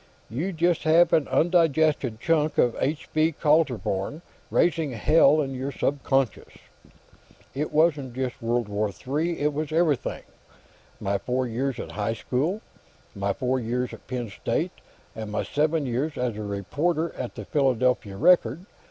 You just have an undigested chunk of H. V. Kaltenborn raising hell in your subconscious." "It wasn't just World War III; it was everything. My four years at high school, and my four years at Penn State, and my seven years as a reporter on the Philadelphia Record.